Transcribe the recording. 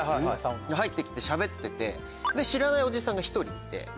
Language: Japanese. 入って来てしゃべっててで知らないおじさんが１人いて。